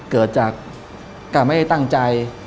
เกิดจากการไม่ได้ตั้งใจ